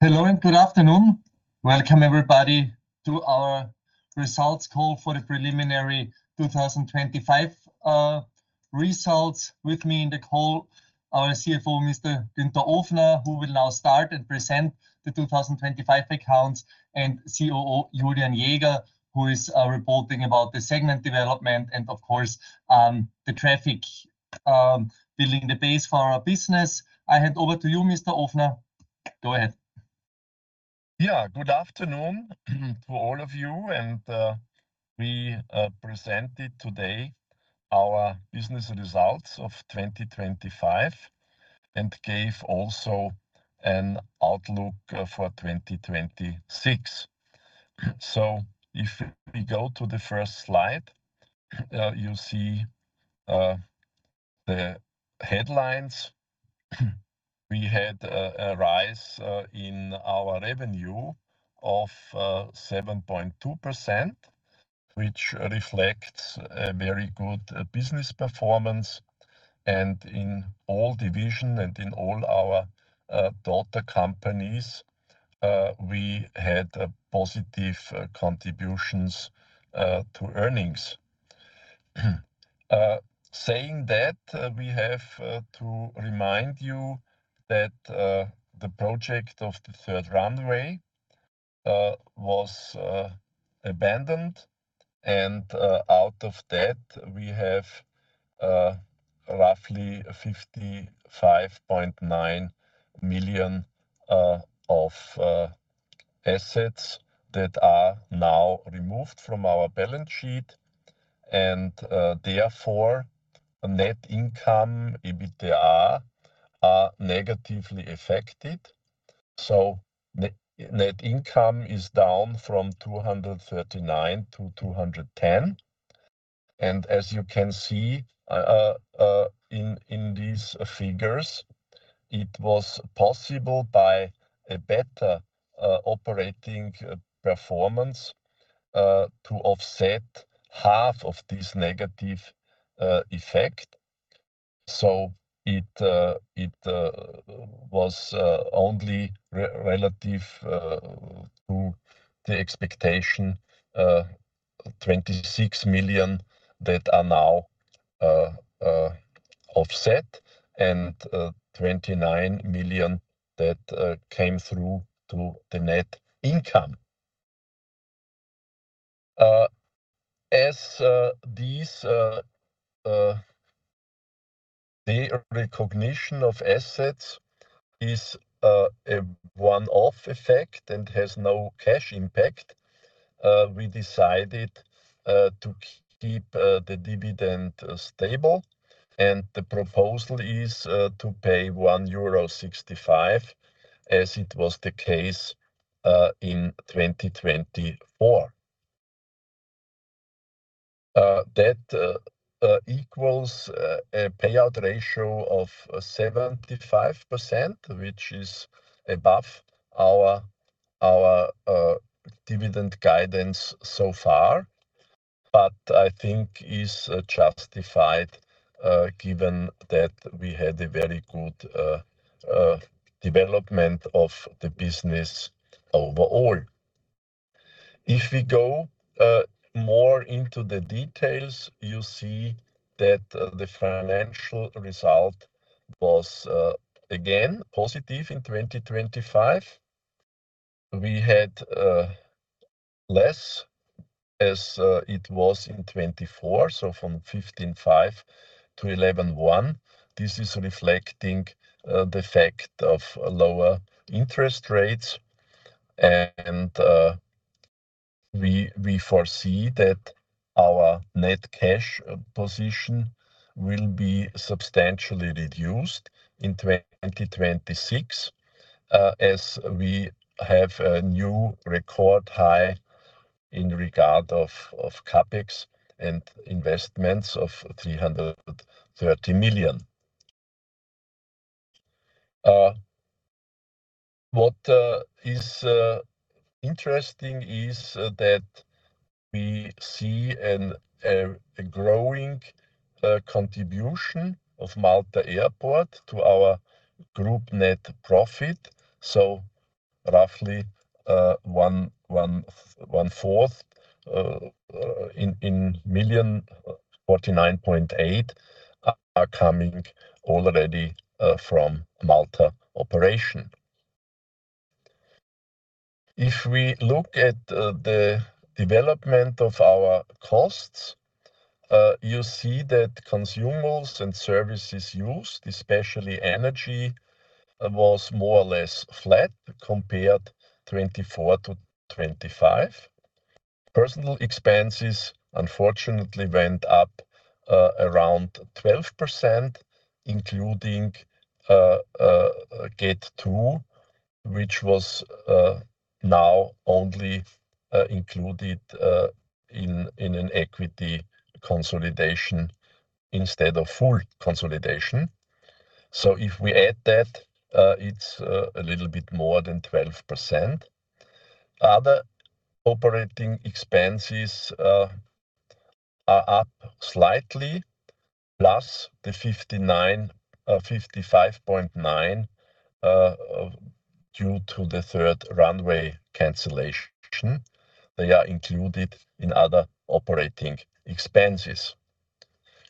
Hello and good afternoon. Welcome everybody to our results call for the preliminary 2025 results. With me in the call, our CFO, Mr. Günther Ofner, who will now start and present the 2025 accounts, and COO Julian Jäger, who is reporting about the segment development and of course, the traffic building the base for our business. I hand over to you, Mr. Ofner. Go ahead. Good afternoon to all of you. We presented today our business results of 2025 and gave also an outlook for 2026. If we go to the first slide, you'll see the headlines. We had a rise in our revenue of 7.2%, which reflects a very good business performance. In all division and in all our daughter companies, we had positive contributions to earnings. Saying that, we have to remind you that the project of the third runway was abandoned. Out of that, we have roughly EUR 55.9 million of assets that are now removed from our balance sheet. Therefore, net income, EBITA, are negatively affected. Net income is down from 239-210. As you can see, in these figures, it was possible by a better operating performance to offset half of this negative effect. It was only relative to the expectation, 26 million that are now offset and 29 million that came through to the net income. As these the recognition of assets is a one-off effect and has no cash impact, we decided to keep the dividend stable, and the proposal is to pay 1.65 euro, as it was the case in 2024. That equals a payout ratio of 75%, which is above our dividend guidance so far, but I think is justified given that we had a very good development of the business overall. If we go more into the details, you see that the financial result was again, positive in 2025. We had less as it was in 2024, so from 15.5-11.1. This is reflecting the fact of lower interest rates. We foresee that our net cash position will be substantially reduced in 2026, as we have a new record high in regard of CapEx and investments of EUR 330 million. What is interesting is that we see a growing contribution of Malta Airport to our group net profit, roughly one-fourth, in million, 49.8 coming already from Malta operation. If we look at the development of our costs, you see that consumables and services used, especially energy, was more or less flat compared 2024-2025. Personnel expenses unfortunately went up around 12%, including Gate Two, which was now only included in an equity consolidation instead of full consolidation. If we add that, it's a little bit more than 12%. Other operating expenses are up slightly plus the 59, 55.9 due to the third runway cancellation. They are included in other operating expenses.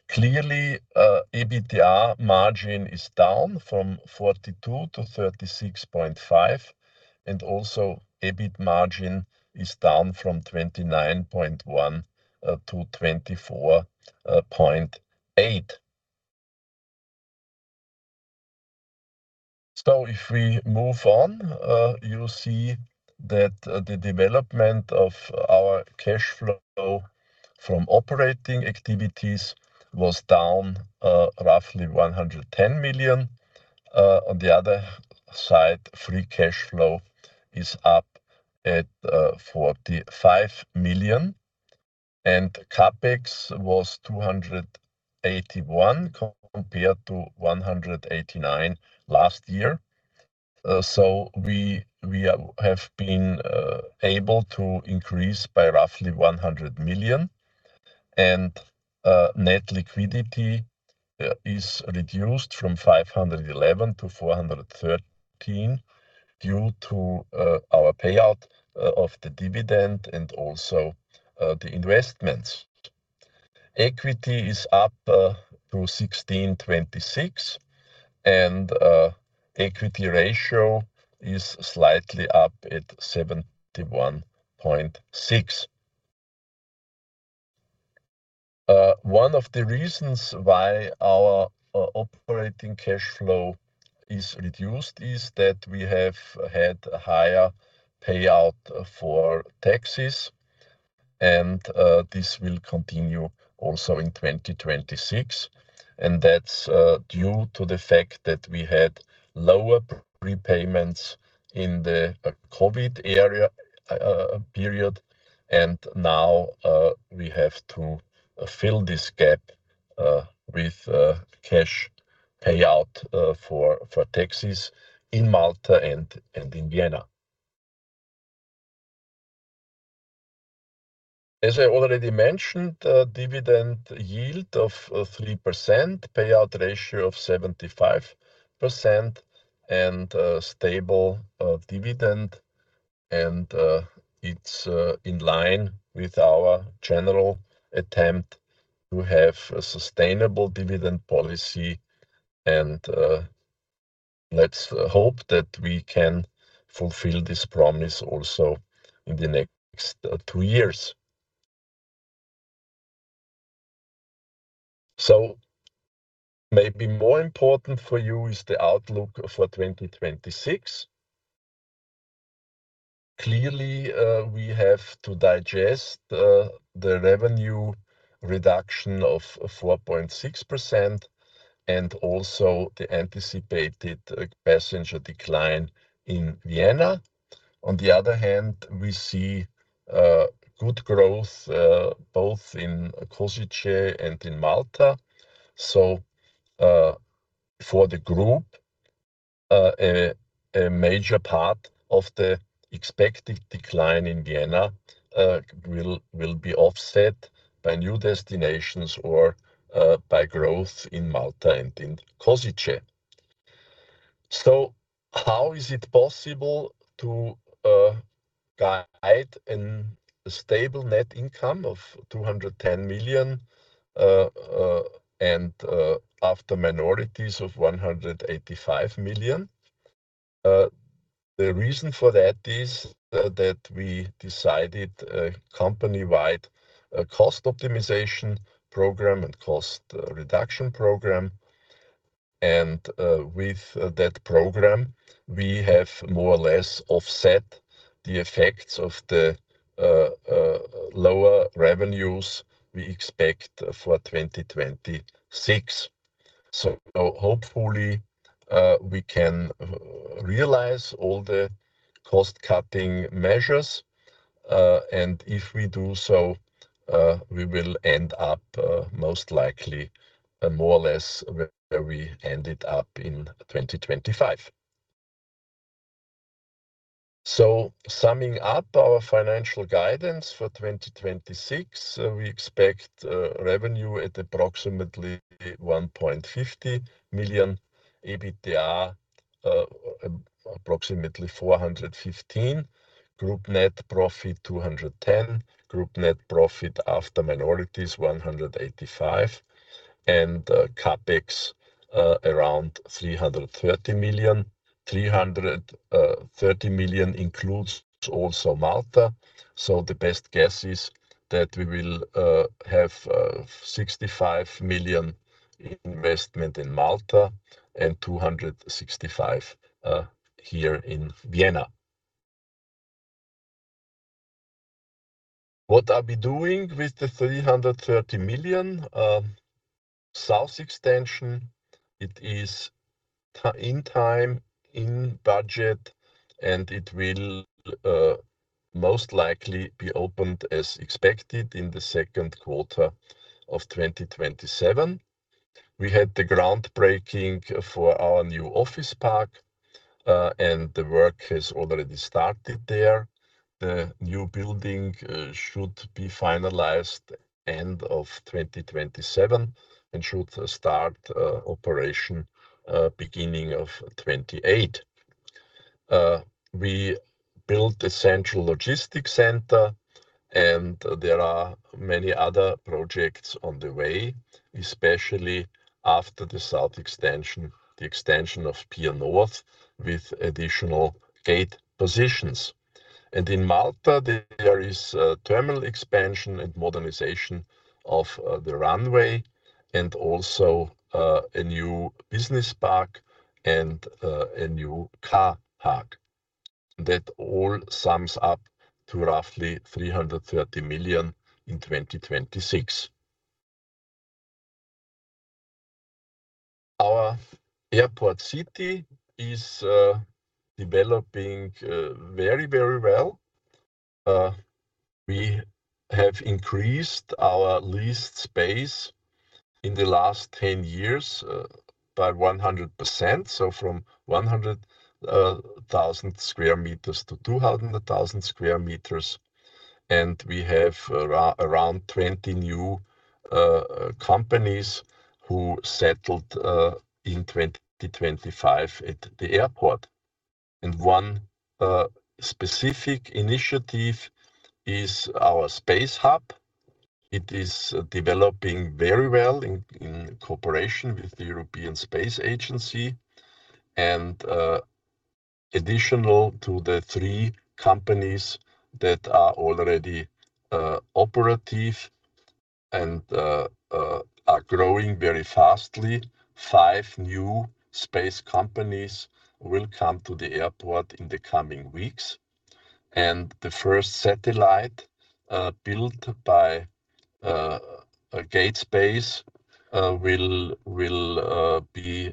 Clearly, EBITDA margin is down from 42% to 36.5%, and also EBIT margin is down from 29.1% to 24.8%. If we move on, you see that the development of our cash flow from operating activities was down roughly 110 million. On the other side, free cash flow is up at 45 million, and CapEx was 281 compared to 189 last year. We have been able to increase by roughly 100 million. Net liquidity is reduced from 511-413 due to our payout of the dividend and also the investments. Equity is up to 1,626, and equity ratio is slightly up at 71.6%. One of the reasons why our operating cash flow is reduced is that we have had a higher payout for taxes. This will continue also in 2026. That's due to the fact that we had lower prepayments in the COVID area period. Now we have to fill this gap with cash payout for taxes in Malta and in Vienna. As I already mentioned, dividend yield of 3%, payout ratio of 75%, and a stable dividend. It's in line with our general attempt to have a sustainable dividend policy and let's hope that we can fulfill this promise also in the next 2 years. Maybe more important for you is the outlook for 2026. Clearly, we have to digest the revenue reduction of 4.6% and also the anticipated passenger decline in Vienna. On the other hand, we see good growth both in Košice and in Malta. For the group, a major part of the expected decline in Vienna will be offset by new destinations or by growth in Malta and in Košice. How is it possible to guide an stable net income of 210 million and after minorities of 185 million? The reason for that is that we decided a company-wide cost optimization program and cost reduction program. With that program, we have more or less offset the effects of the lower revenues we expect for 2026. Hopefully, we can realize all the cost-cutting measures. If we do so, we will end up most likely more or less where we ended up in 2025. Summing up our financial guidance for 2026, we expect revenue at approximately 1.50 million. EBITDA approximately 415 million. Group net profit, 210 million. Group net profit after minorities, 185 million. CapEx around 330 million. 330 million includes also Malta. The best guess is that we will have 65 million investment in Malta and 265 million here in Vienna. What are we doing with the 330 million? South extension, it is in time, in budget, and it will most likely be opened as expected in the second quarter of 2027. We had the groundbreaking for our new office park, the work has already started there. The new building should be finalized end of 2027 and should start operation beginning of 2028. We built the central logistics center there are many other projects on the way, especially after the South extension, the extension of Pier North with additional gate positions. In Malta, there is a terminal expansion and modernization of the runway and also a new business park and a new car park. That all sums up to roughly 330 million in 2026. Our airport city is developing very well. We have increased our leased space in the last 10 years by 100%, so from 100,000 sq m to 200,000 sq m. We have around 20 new companies who settled in 2025 at the airport. One specific initiative is our space hub. It is developing very well in cooperation with the European Space Agency. Additional to the three companies that are already operative and are growing very fastly, five new space companies will come to the airport in the coming weeks. The first satellite built by GATE Space will be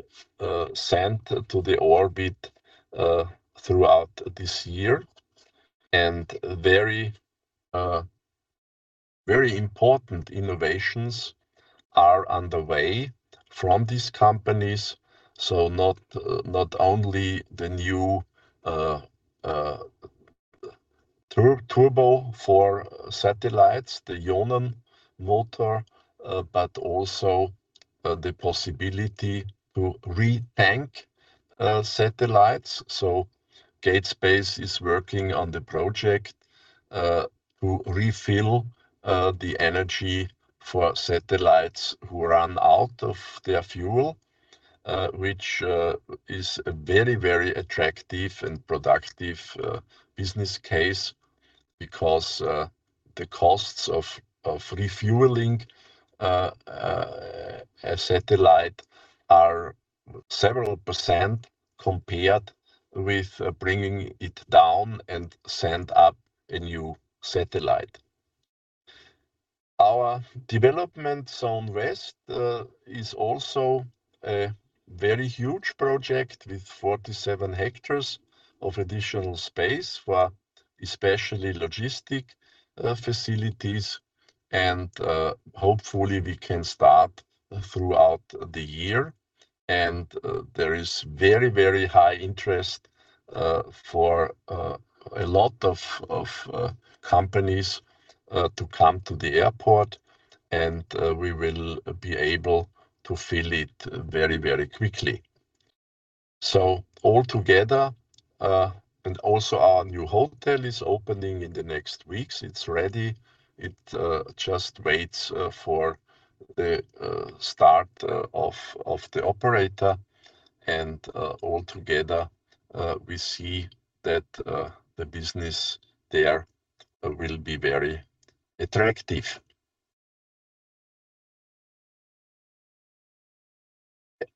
sent to the orbit throughout this year. Very important innovations are on the way from these companies. Not only the new turbo for satellites, the Ion motor, but also the possibility to re-tank satellites. GATE Space is working on the project to refill the energy for satellites who run out of their fuel, which is a very, very attractive and productive business case because the costs of refueling a satellite are several percent compared with bringing it down and send up a new satellite. Our development zone west is also a very huge project with 47 hectares of additional space for especially logistic facilities, and hopefully we can start throughout the year. There is very, very high interest for a lot of companies to come to the airport and we will be able to fill it very, very quickly. All together, and also our new hotel is opening in the next weeks. It's ready. It just waits for the start of the operator. All together, we see that the business there will be very attractive.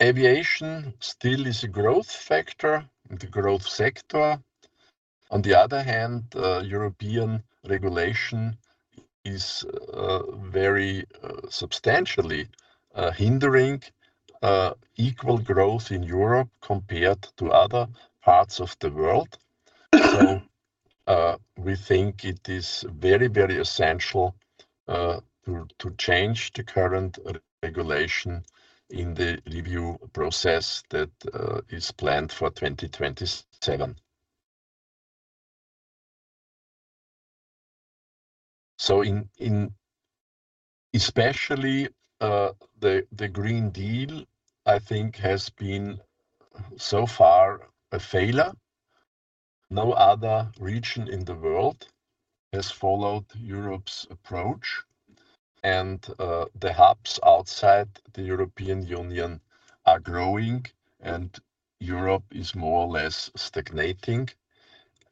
Aviation still is a growth factor, the growth sector. European regulation is very substantially hindering equal growth in Europe compared to other parts of the world. We think it is very, very essential to change the current regulation in the review process that is planned for 2027. Especially, the Green Deal, I think has been so far a failure. No other region in the world has followed Europe's approach. The hubs outside the European Union are growing, and Europe is more or less stagnating.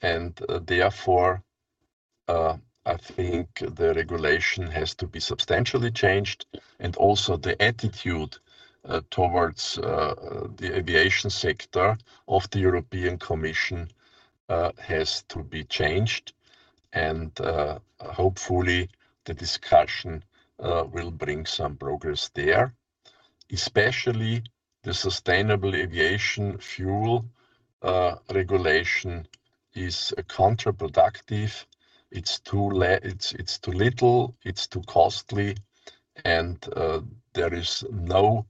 Therefore, I think the regulation has to be substantially changed, and also the attitude towards the aviation sector of the European Commission has to be changed. Hopefully the discussion will bring some progress there. Especially the sustainable aviation fuel regulation is counterproductive. It's too little, it's too costly, and there is no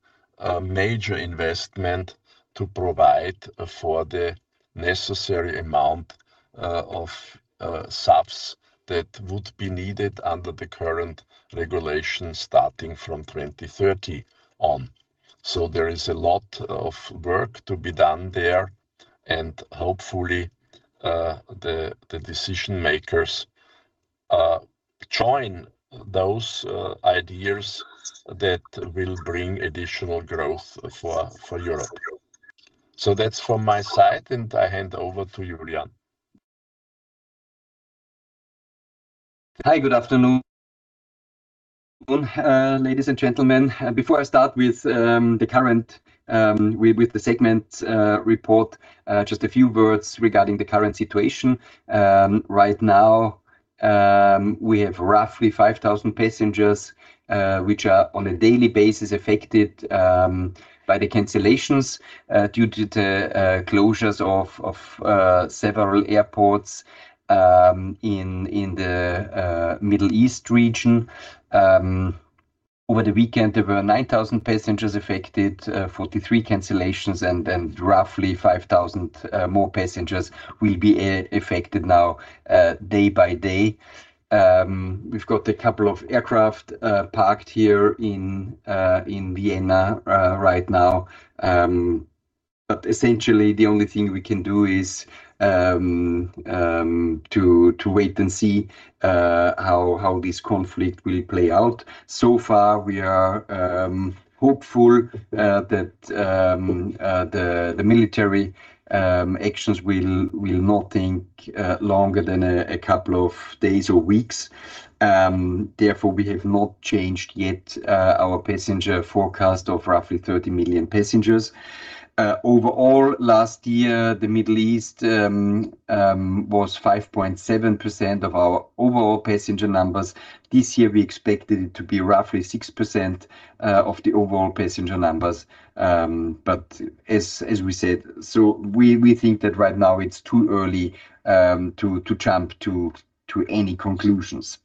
major investment to provide for the necessary amount of SAF that would be needed under the current regulations starting from 2030 on. There is a lot of work to be done there, and hopefully the decision-makers join those ideas that will bring additional growth for Europe. That's from my side, and I hand over to Julian. Hi, good afternoon, ladies and gentlemen. Before I start with the current with the segment report, just a few words regarding the current situation. Right now, we have roughly 5,000 passengers which are on a daily basis affected by the cancellations due to the closures of several airports in the Middle East region. Over the weekend, there were 9,000 passengers affected, 43 cancellations and roughly 5,000 more passengers will be affected now day by day. We've got a couple of aircraft parked here in Vienna right now. Essentially the only thing we can do is to wait and see how this conflict will play out. Far, we are hopeful that the military actions will not think longer than a couple of days or weeks. Therefore, we have not changed yet our passenger forecast of roughly 30 million passengers. Overall last year, the Middle East was 5.7% of our overall passenger numbers. This year, we expected it to be roughly 6% of the overall passenger numbers. As we said, we think that right now it's too early to jump to any conclusions.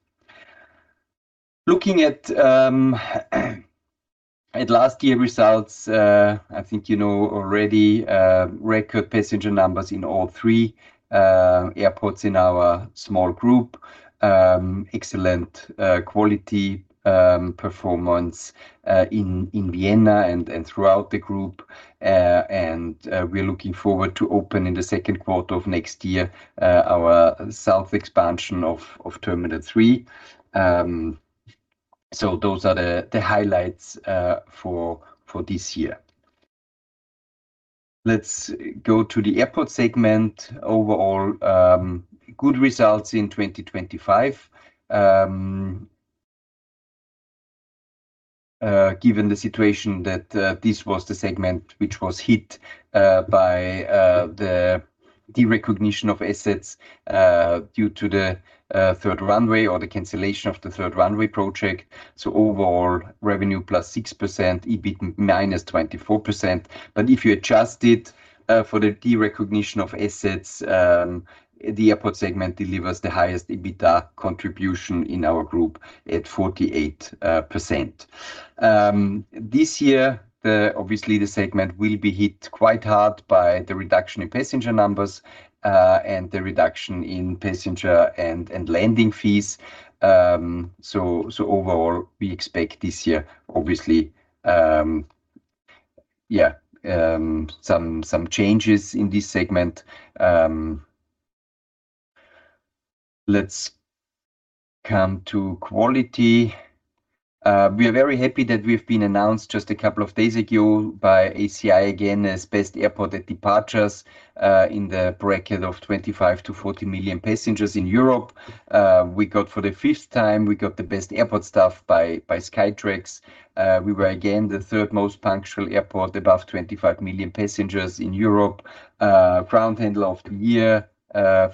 Looking at last year results, I think you know already, record passenger numbers in all three airports in our small group. Excellent quality performance in Vienna and throughout the group. We're looking forward to open in the 2Q of next year, our south expansion of Terminal 3. Those are the highlights for this year. Let's go to the airport segment. Overall, good results in 2025, given the situation that this was the segment which was hit by the derecognition of assets due to the third runway or the cancellation of the third runway project. Overall revenue plus 6%, EBIT minus 24%. If you adjust it for the derecognition of assets, the airport segment delivers the highest EBITDA contribution in our group at 48%. This year, obviously, the segment will be hit quite hard by the reduction in passenger numbers and the reduction in passenger and landing fees. Overall, we expect this year, obviously, some changes in this segment. Let's come to quality. We are very happy that we've been announced just a couple of days ago by ACI again as best airport at departures in the bracket of 25 million-40 million passengers in Europe. We got for the fifth time, we got the best airport staff by Skytrax. We were again the third most punctual airport above 25 million passengers in Europe. Ground handler of the year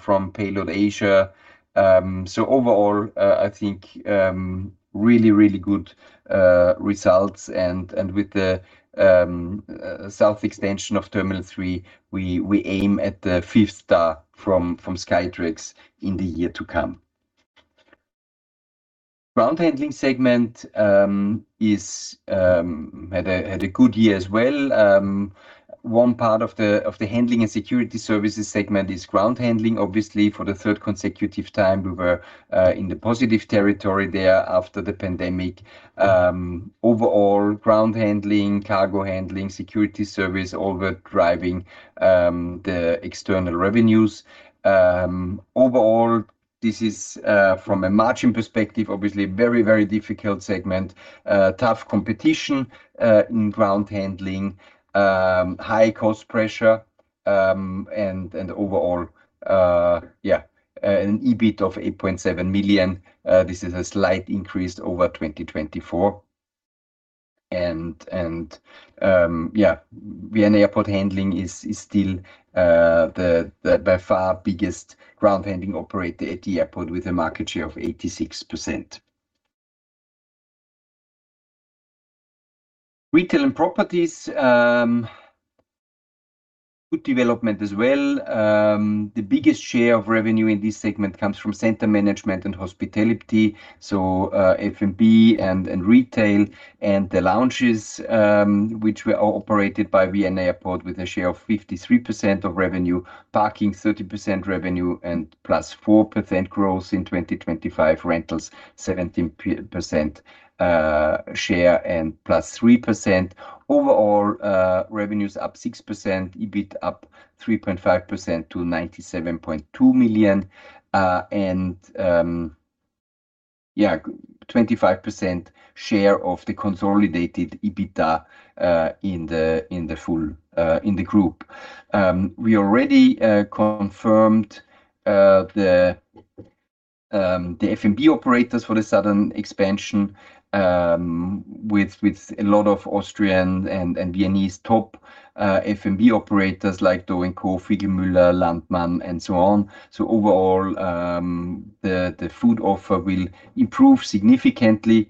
from Payload Asia. Overall, I think, really good results and with the south extension of Terminal 3, we aim at the fifth star from Skytrax in the year to come. Ground handling segment had a good year as well. One part of the handling and security services segment is ground handling. Obviously, for the third consecutive time, we were in the positive territory there after the pandemic. Overall ground handling, cargo handling, security service, all were driving the external revenues. Overall, this is from a margin perspective, obviously a very, very difficult segment, tough competition in ground handling, high cost pressure, and overall an EBIT of 8.7 million. This is a slight increase over 2024. Vienna Airport Handling is still the by far biggest ground handling operator at the airport with a market share of 86%. Retail and properties, good development as well. The biggest share of revenue in this segment comes from center management and hospitality, so F&B and retail and the lounges, which were all operated by Vienna Airport with a share of 53% of revenue, parking 30% revenue and +4% growth in 2025, rentals 17% share and +3%. Overall, revenue's up 6%, EBIT up 3.5% to 97.2 million. 25% share of the consolidated EBITDA in the full in the group. We already confirmed the F&B operators for the southern expansion with a lot of Austrian and Viennese top F&B operators like DO & CO, Figlmüller, Landtmann, and so on. Overall, the food offer will improve significantly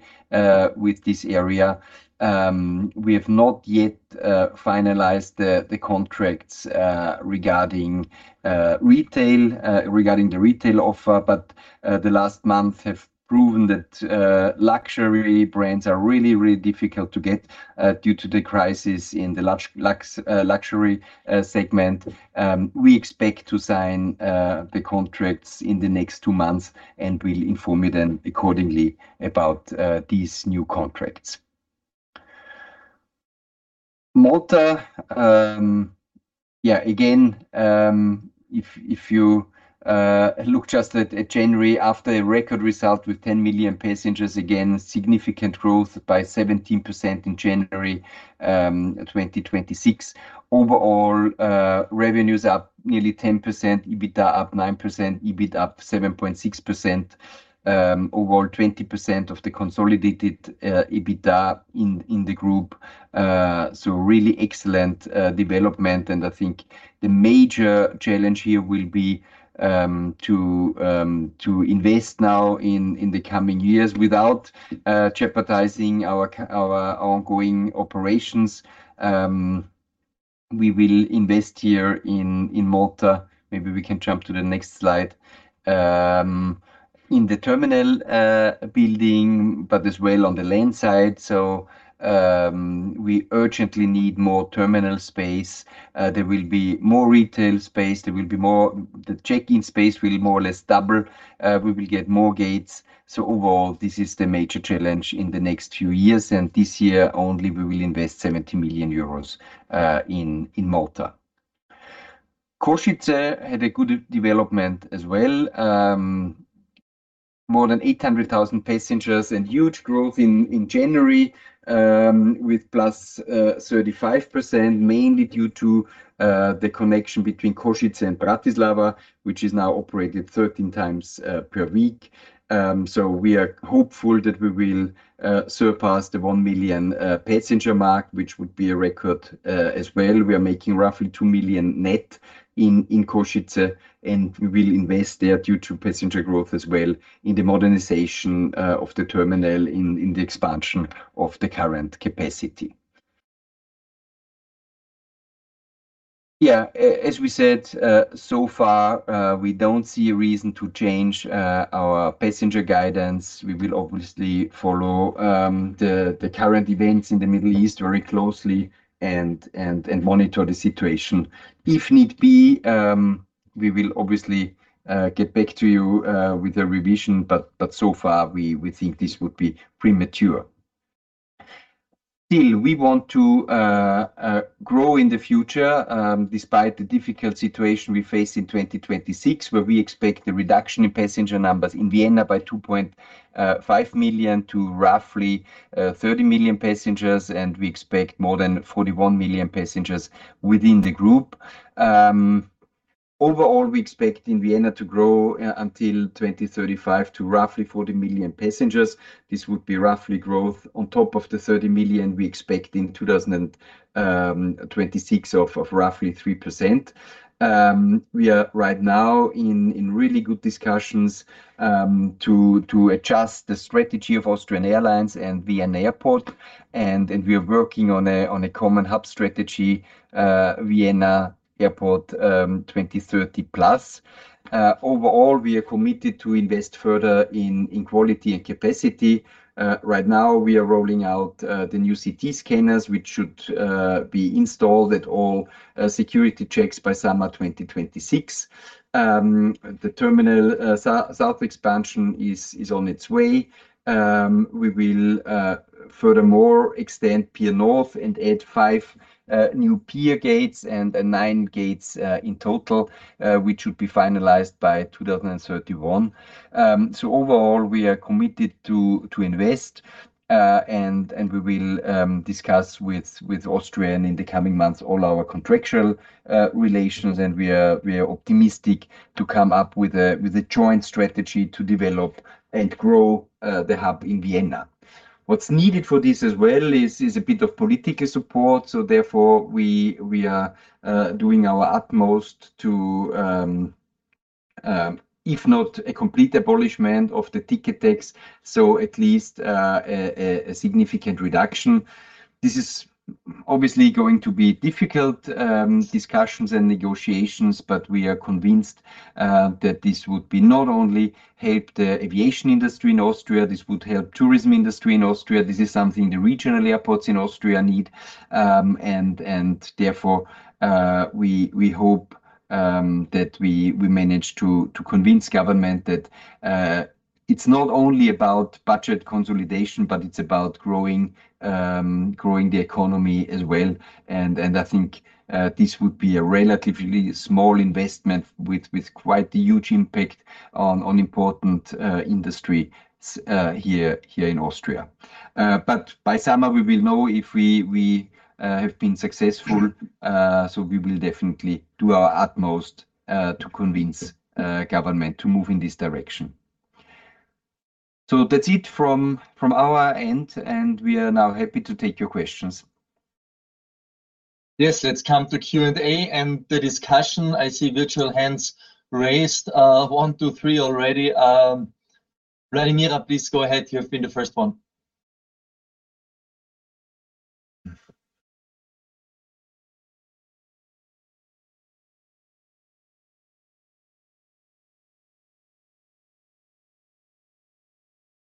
with this area. We have not yet finalized the contracts regarding retail, regarding the retail offer, but the last month have proven that luxury brands are really, really difficult to get due to the crisis in the luxury segment. We expect to sign the contracts in the next two months, and we'll inform you then accordingly about these new contracts. Malta, again, if you look just at January after a record result with 10 million passengers, again, significant growth by 17% in January 2026. Overall, revenue's up nearly 10%, EBITDA up 9%, EBIT up 7.6%, overall 20% of the consolidated EBITDA in the group, so really excellent development. I think the major challenge here will be to invest now in the coming years without jeopardizing our ongoing operations. We will invest here in Malta. Maybe we can jump to the next slide. In the terminal building, but as well on the land side. We urgently need more terminal space. There will be more retail space. There will be more. The check-in space will more or less double. We will get more gates. Overall, this is the major challenge in the next few years, and this year only we will invest 70 million euros in Malta. Košice had a good development as well, more than 800,000 passengers and huge growth in January, with +35%, mainly due to the connection between Košice and Bratislava, which is now operated 13x per week. We are hopeful that we will surpass the 1 million passenger mark, which would be a record as well. We are making roughly 2 million net in Košice, and we will invest there due to passenger growth as well in the modernization of the terminal in the expansion of the current capacity. As we said, so far, we don't see a reason to change our passenger guidance. We will obviously follow the current events in the Middle East very closely and monitor the situation. If need be, we will obviously get back to you with a revision, but so far we think this would be premature. Still, we want to grow in the future, despite the difficult situation we face in 2026, where we expect the reduction in passenger numbers in Vienna by 2.5 million to roughly 30 million passengers, and we expect more than 41 million passengers within the group. Overall, we expect in Vienna to grow until 2035 to roughly 40 million passengers. This would be roughly growth on top of the 30 million we expect in 2026 of roughly 3%. We are right now in really good discussions to adjust the strategy of Austrian Airlines and Vienna Airport, and we are working on a common hub strategy, Vienna Airport 2030+. Overall, we are committed to invest further in quality and capacity. Right now we are rolling out the new CT scanners, which should be installed at all security checks by summer 2026. The terminal south expansion is on its way. We will furthermore extend Pier North and add five new Pier Gates and nine gates in total, which should be finalized by 2031. Overall, we are committed to invest and we will discuss with Austrian Airlines in the coming months all our contractual relations, and we are optimistic to come up with a joint strategy to develop and grow the hub in Vienna. What's needed for this as well is a bit of political support, therefore we are doing our utmost to, if not a complete abolishment of the ticket tax, at least a significant reduction. This is obviously going to be difficult discussions and negotiations, we are convinced that this would be not only help the aviation industry in Austria, this would help tourism industry in Austria. This is something the regional airports in Austria need, and therefore, we hope that we manage to convince government that it's not only about budget consolidation, but it's about growing the economy as well. I think this would be a relatively small investment with quite the huge impact on important industry here in Austria. By summer we will know if we have been successful, so we will definitely do our utmost to convince government to move in this direction. That's it from our end, and we are now happy to take your questions. Let's come to Q&A and the discussion. I see virtual hands raised, one, two, three already. Vladimira, please go ahead. You have been the first one.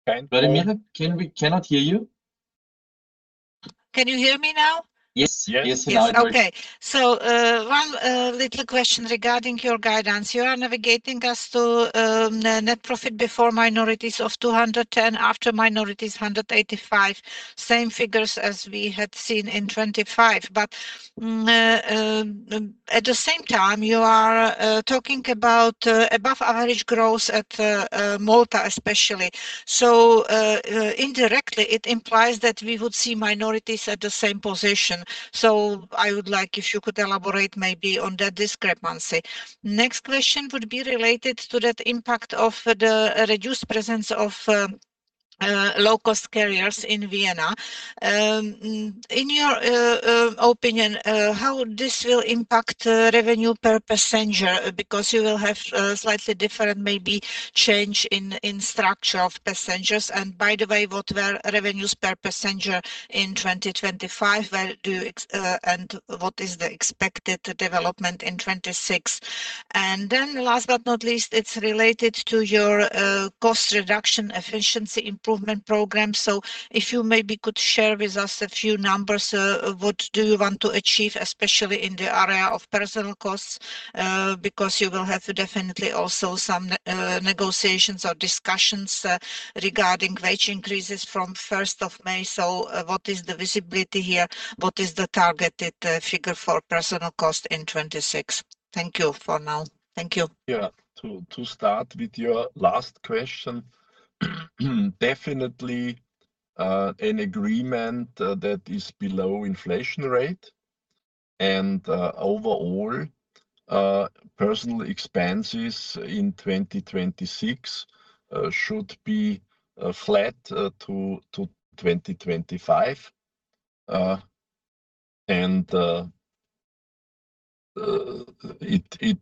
Vladimira, cannot hear you. Can you hear me now? Yes. Yes. Yes, now it works. Yes. Okay. One little question regarding your guidance. You are navigating us to net profit before minorities of 210, after minorities 185, same figures as we had seen in 2025. At the same time, you are talking about above average growth at Malta especially. Indirectly, it implies that we would see minorities at the same position. I would like if you could elaborate maybe on that discrepancy. Next question would be related to that impact of the reduced presence of low-cost carriers in Vienna. In your opinion, how this will impact revenue per passenger, because you will have a slightly different maybe change in structure of passengers. By the way, what were revenues per passenger in 2025? Where do you ex- and what is the expected development in 2026? Last but not least, it's related to your cost reduction efficiency improvement program. If you maybe could share with us a few numbers, what do you want to achieve, especially in the area of personal costs, because you will have definitely also some negotiations or discussions, regarding wage increases from 1st of May. What is the visibility here? What is the targeted figure for personal cost in 2026? Thank you for now. Thank you. To start with your last question, definitely an agreement that is below inflation rate and overall personal expenses in 2026 should be flat to 2025. It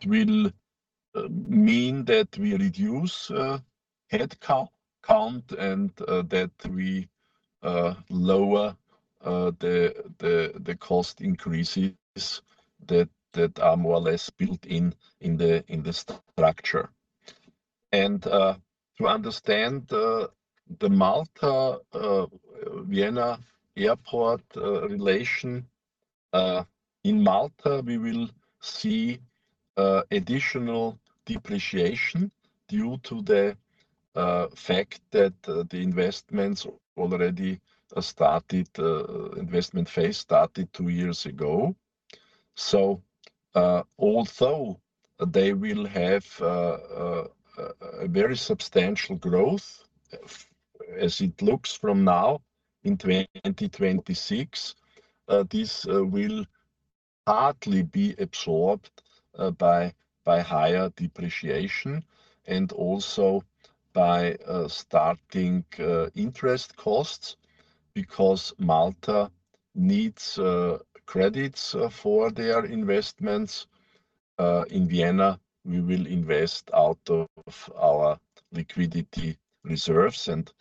will mean that we reduce headcount and that we lower the cost increases that are more or less built in the structure. To understand the Malta, Vienna Airport relation, in Malta, we will see additional depreciation due to the fact that the investments already started, investment phase started two years ago. Although they will have a very substantial growth, as it looks from now in 2026, this will partly be absorbed by higher depreciation and also by starting interest costs because Malta needs credits for their investments. In Vienna, we will invest out of our liquidity reserves and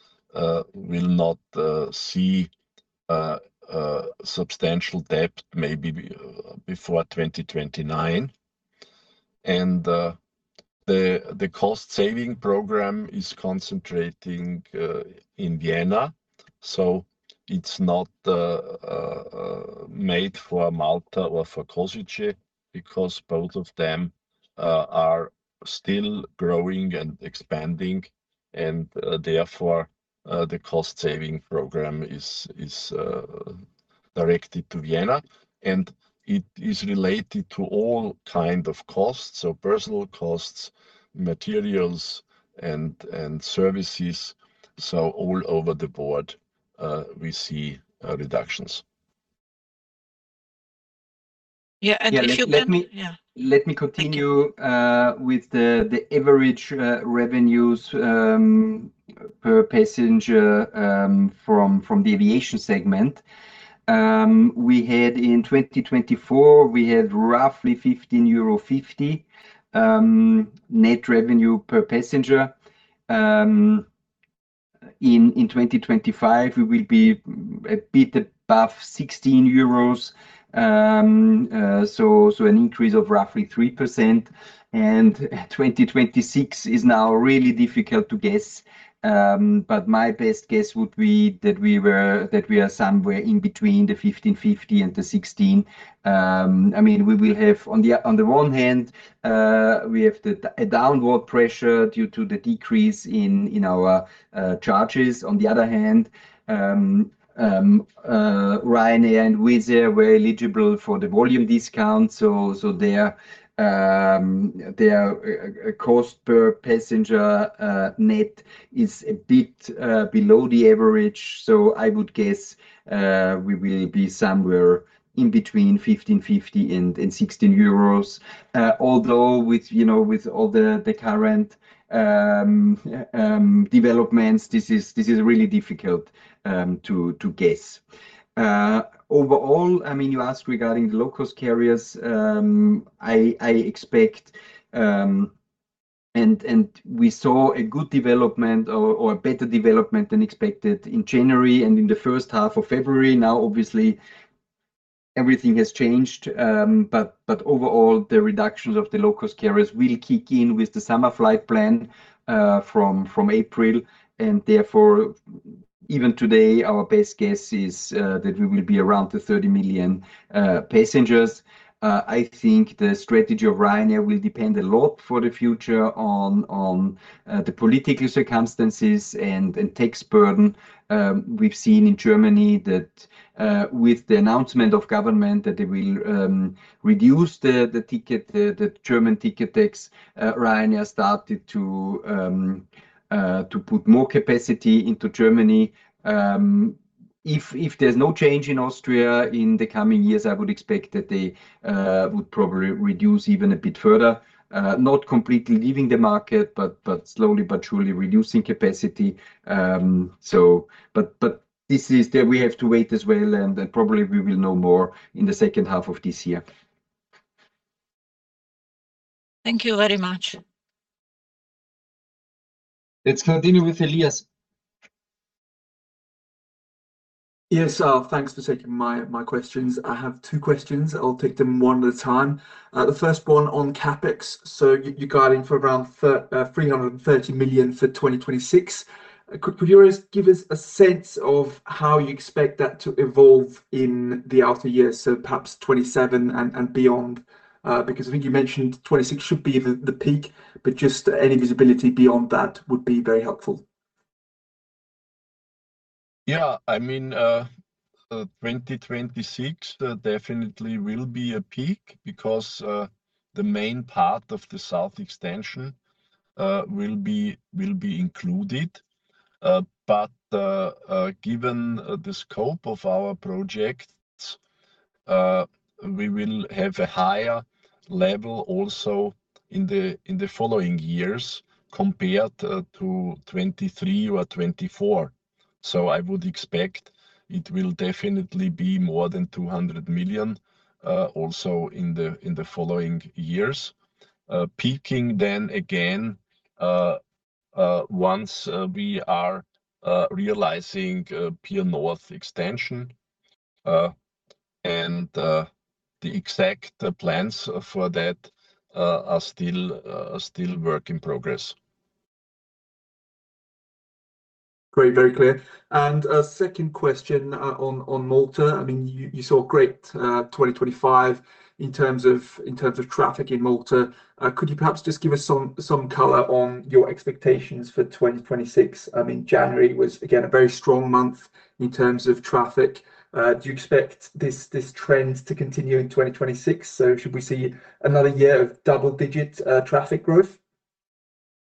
will not see substantial debt maybe before 2029. The cost saving program is concentrating in Vienna, so it's not made for Malta or for Kosice because both of them are still growing and expanding and therefore, the cost saving program is directed to Vienna, and it is related to all kind of costs, so personal costs, materials and services. All over the board, we see reductions. Yeah. Yeah. Yeah. Let me continue. Thank you.... with the average revenues per passenger from the aviation segment. We had in 2024 roughly 15.50 euro net revenue per passenger. In 2025, we will be a bit above 16 euros, so an increase of roughly 3%. 2026 is now really difficult to guess, but my best guess would be that we were, that we are somewhere in between 15.50 and 16. I mean, we have on the one hand, we have a downward pressure due to the decrease in our charges. On the other hand, Ryanair and Wizz Air were eligible for the volume discount, so their cost per passenger net is a bit below the average. I would guess, we will be somewhere in between 15.50 and 16 euros. Although with, you know, with all the current developments, this is really difficult to guess. Overall, I mean, you asked regarding the low cost carriers, I expect, and we saw a good development or a better development than expected in January and in the first half of February. Obviously everything has changed, but overall the reductions of the low cost carriers will kick in with the summer flight plan, from April, Therefore, even today our best guess is, that we will be around the 30 million passengers. I think the strategy of Ryanair will depend a lot for the future on the political circumstances and tax burden. We've seen in Germany that with the announcement of government that they will reduce the ticket, the German ticket tax, Ryanair started to put more capacity into Germany. If there's no change in Austria in the coming years, I would expect that they would probably reduce even a bit further. Not completely leaving the market, but slowly but surely reducing capacity. We have to wait as well, and then probably we will know more in the second half of this year. Thank you very much. Let's continue with Elias. Yes. Thanks for taking my questions. I have two questions. I'll take them one at a time. The first one on CapEx. You're guiding for around 330 million for 2026. Could you just give us a sense of how you expect that to evolve in the outer years, so perhaps 2027 and beyond? I think you mentioned 2026 should be the peak, but just any visibility beyond that would be very helpful. I mean, 2026 definitely will be a peak because the main part of the south extension will be included. Given the scope of our projects, we will have a higher level also in the following years compared to 2023 or 2024. I would expect it will definitely be more than 200 million also in the following years. Peaking then again once we are realizing Pier North extension. The exact plans for that are still work in progress. Great. Very clear. A second question on Malta. I mean, you saw great 2025 in terms of traffic in Malta. Could you perhaps just give us some color on your expectations for 2026? I mean, January was again a very strong month in terms of traffic. Do you expect this trend to continue in 2026? Should we see another year of double-digit traffic growth?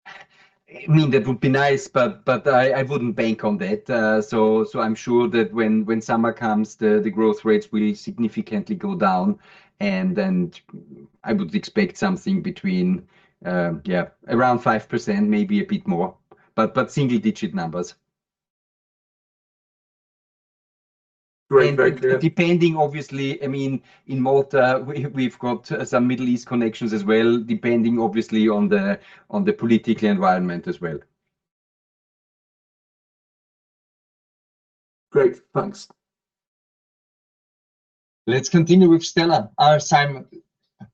I mean, that would be nice, but I wouldn't bank on that. I'm sure that when summer comes, the growth rates will significantly go down and I would expect something between, yeah, around 5%, maybe a bit more, but single digit numbers. Great. Very clear. Depending, obviously, I mean, in Malta we've got some Middle East connections as well, depending obviously on the political environment as well. Great. Thanks. Let's continue with Stella. Simon.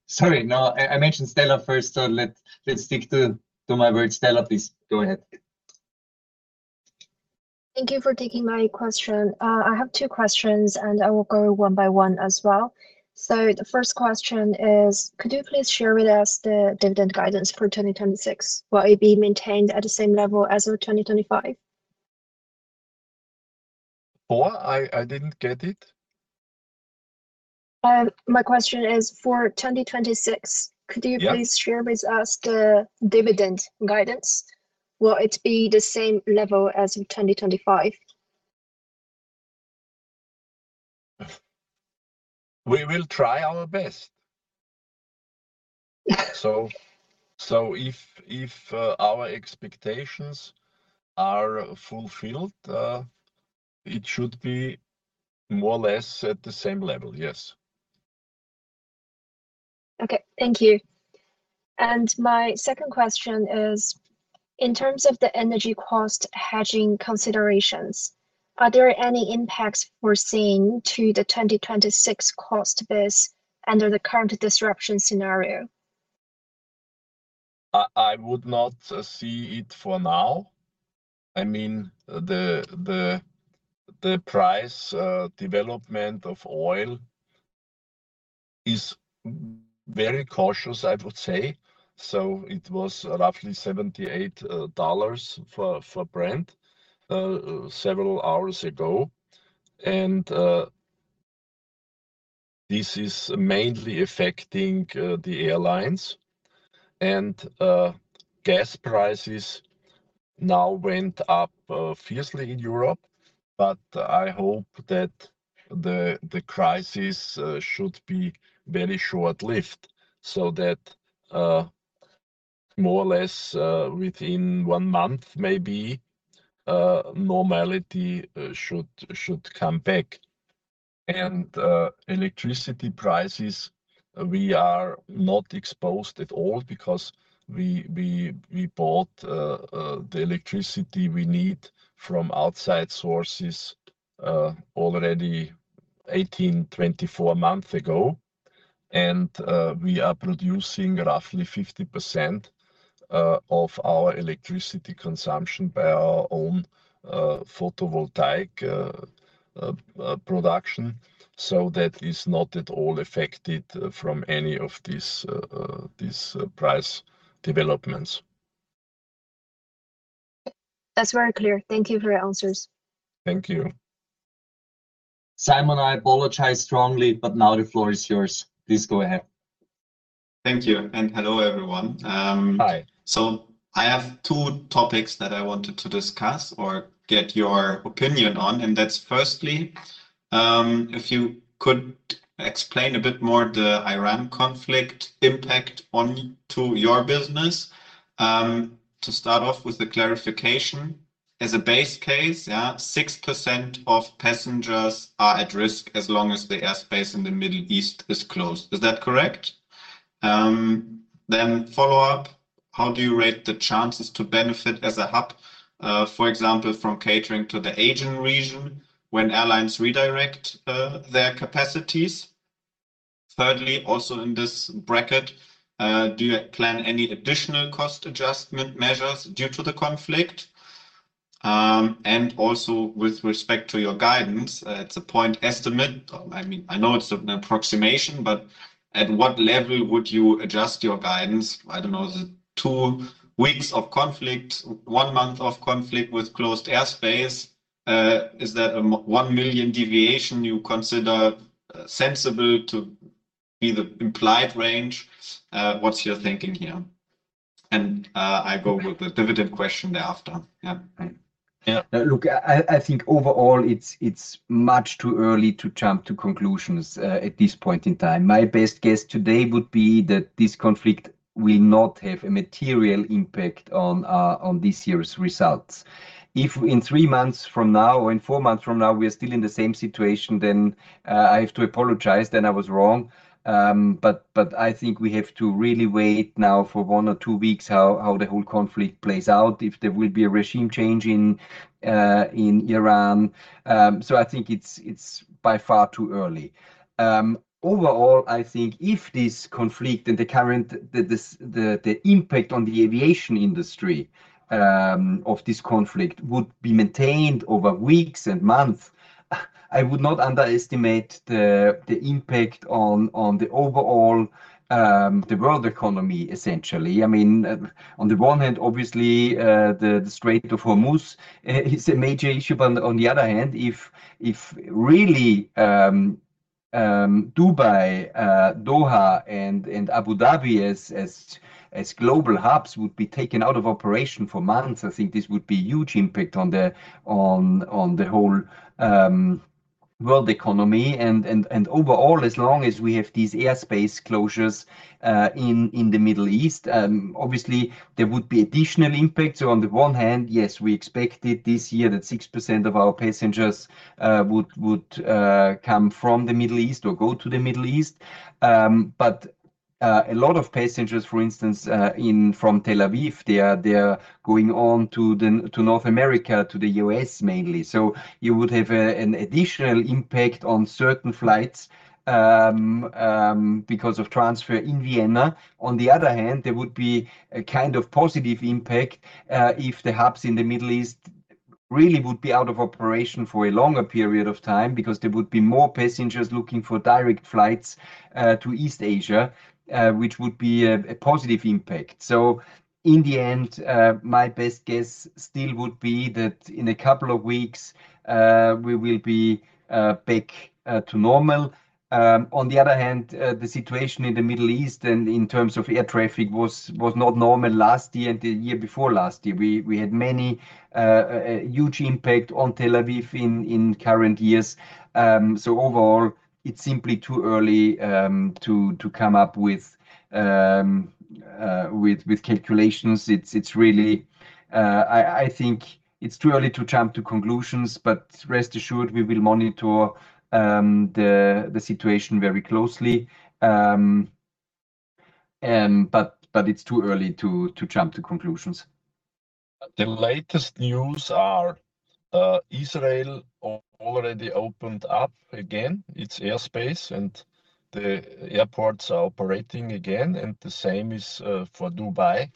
Sorry. No, I mentioned Stella first, so let's stick to my word. Stella, please go ahead. Thank you for taking my question. I have two questions, and I will go one by one as well. The first question is, could you please share with us the dividend guidance for 2026? Will it be maintained at the same level as of 2025? What? I didn't get it. My question is for 2026. Yeah. Could you please share with us the dividend guidance? Will it be the same level as in 2025? We will try our best. If our expectations are fulfilled, it should be more or less at the same level, yes. Okay. Thank you. My second question is: in terms of the energy cost hedging considerations, are there any impacts foreseen to the 2026 cost base under the current disruption scenario? I would not see it for now. I mean, the price development of oil is very cautious, I would say. It was roughly $78 for Brent several hours ago. This is mainly affecting the airlines. Gas prices now went up fiercely in Europe, but I hope that the crisis should be very short-lived, so that more or less within one month, maybe, normality should come back. Electricity prices, we are not exposed at all because we bought the electricity we need from outside sources already 18, 24 months ago. We are producing roughly 50% of our electricity consumption by our own photovoltaic production. That is not at all affected from any of these price developments. That's very clear. Thank you for your answers. Thank you. Simon, I apologize strongly, but now the floor is yours. Please go ahead. Thank you. Hello, everyone. Hi. I have two topics that I wanted to discuss or get your opinion on, and that's firstly, if you could explain a bit more the Iran conflict impact onto your business. To start off with the clarification, as a base case, yeah, 6% of passengers are at risk as long as the airspace in the Middle East is closed. Is that correct? Then follow-up, how do you rate the chances to benefit as a hub, for example, from catering to the Asian region when airlines redirect their capacities? Thirdly, also in this bracket, do you plan any additional cost adjustment measures due to the conflict? And also with respect to your guidance, it's a point estimate. I mean, I know it's an approximation, but at what level would you adjust your guidance? I don't know, is it two weeks of conflict, one month of conflict with closed airspace? Is that a 1 million deviation you consider sensible to be the implied range? What's your thinking here? I go with the dividend question thereafter. Yeah. Right. Yeah. Look, I think overall it's much too early to jump to conclusions at this point in time. My best guess today would be that this conflict will not have a material impact on this year's results. If in three months from now or in four months from now, we are still in the same situation, then I have to apologize, then I was wrong. I think we have to really wait now for 1 or 2 weeks how the whole conflict plays out, if there will be a regime change in Iran. I think it's by far too early. Overall, I think if this conflict and the current... The impact on the aviation industry of this conflict would be maintained over weeks and months. I would not underestimate the impact on the overall world economy, essentially. I mean, on the one hand, obviously, the Strait of Hormuz is a major issue. On the other hand, if really Dubai, Doha and Abu Dhabi as global hubs would be taken out of operation for months, I think this would be huge impact on the whole world economy. Overall, as long as we have these airspace closures in the Middle East, obviously there would be additional impacts. On the one hand, yes, we expected this year that 6% of our passengers would come from the Middle East or go to the Middle East. But a lot of passengers, for instance, from Tel Aviv, they are going on to North America, to the US mainly. You would have an additional impact on certain flights because of transfer in Vienna. On the other hand, there would be a kind of positive impact if the hubs in the Middle East really would be out of operation for a longer period of time because there would be more passengers looking for direct flights to East Asia, which would be a positive impact. In the end, my best guess still would be that in a couple of weeks, we will be back to normal. On the other hand, the situation in the Middle East and in terms of air traffic was not normal last year and the year before last year. We had many, huge impact on Tel Aviv in current years. Overall, it's simply too early to come up with. With calculations, it's really. I think it's too early to jump to conclusions, but rest assured we will monitor the situation very closely. But it's too early to jump to conclusions. The latest news are, Israel already opened up again its airspace, and the airports are operating again, and the same is for Dubai.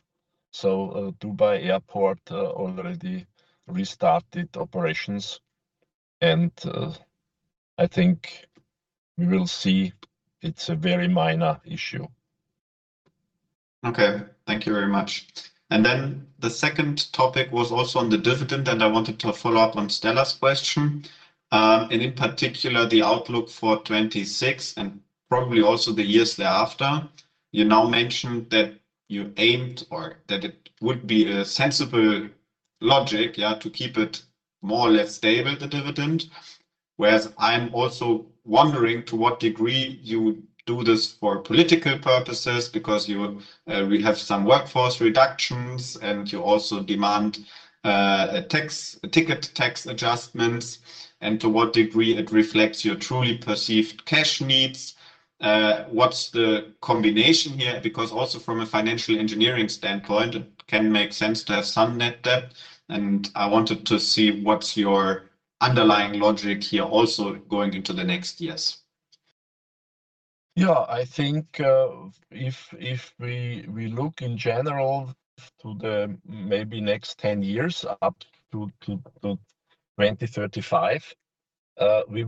Dubai Airport already restarted operations, and I think we will see it's a very minor issue. Okay. Thank you very much. The second topic was also on the dividend. I wanted to follow up on Stella's question, and in particular, the outlook for 2026 and probably also the years thereafter. You now mentioned that you aimed, or that it would be a sensible logic, yeah, to keep it more or less stable, the dividend, whereas I'm also wondering to what degree you do this for political purposes because you will have some workforce reductions, and you also demand a ticket tax adjustments, and to what degree it reflects your truly perceived cash needs. What's the combination here? Also from a financial engineering standpoint, it can make sense to have some net debt, and I wanted to see what's your underlying logic here also going into the next years. Yeah. I think, if we look in general to the maybe next 10 years up to 2035, we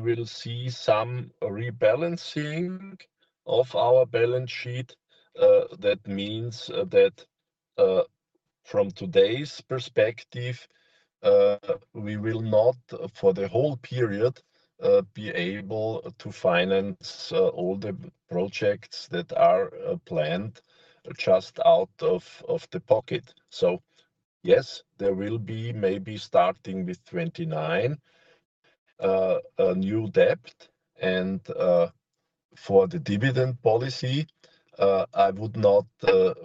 will see some rebalancing of our balance sheet. That means that from today's perspective, we will not, for the whole period, be able to finance all the projects that are planned just out of the pocket. Yes, there will be maybe starting with 2029, a new debt. For the dividend policy, I would not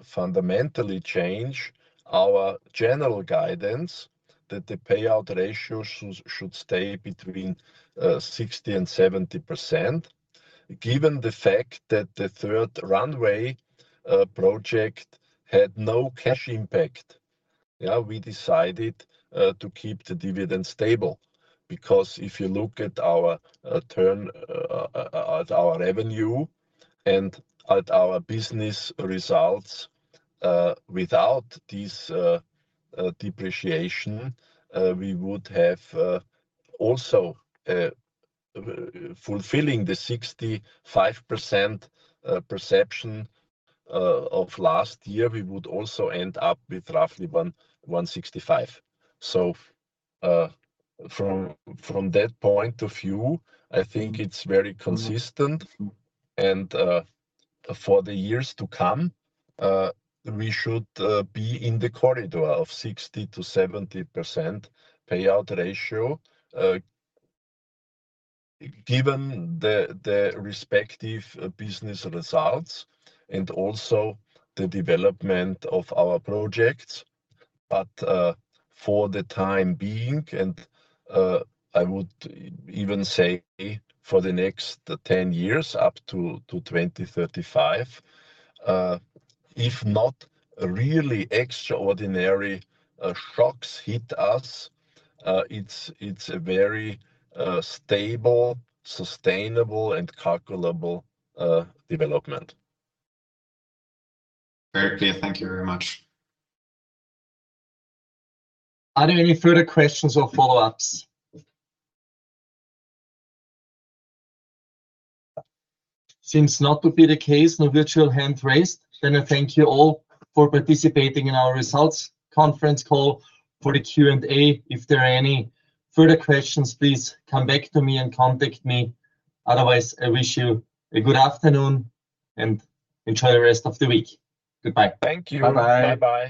fundamentally change our general guidance that the payout ratio should stay between 60% and 70%. Given the fact that the third runway project had no cash impact, yeah, we decided to keep the dividend stable, because if you look at our revenue and at our business results, without this depreciation, we would have also fulfilling the 65% perception of last year, we would also end up with roughly 165. From that point of view, I think it's very consistent, and for the years to come, we should be in the corridor of 60% to 70% payout ratio, given the respective business results and also the development of our projects. For the time being, and I would even say for the next 10 years up to 2035, if not really extraordinary shocks hit us, it's a very stable, sustainable, and calculable development. Very clear. Thank you very much. Are there any further questions or follow-ups? Seems not to be the case. No virtual hand raised. I thank you all for participating in our results conference call for the Q&A. If there are any further questions, please come back to me and contact me. Otherwise, I wish you a good afternoon, and enjoy the rest of the week. Goodbye. Thank you. Bye-bye. Bye-bye.